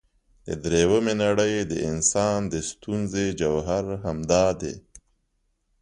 د درېمې نړۍ د انسان د ستونزې جوهر همدا دی.